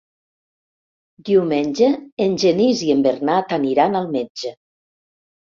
Diumenge en Genís i en Bernat aniran al metge.